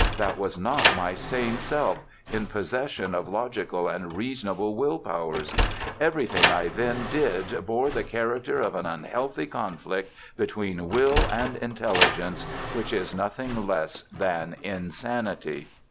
That was not my sane self, in possession of logical and reasonable will powers. Everything I then did bore the character of an unhealthy conflict between will and intelligence, which is nothing less than insanity."